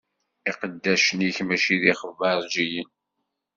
Iqeddacen-ik mačči d ixbaṛǧiyen.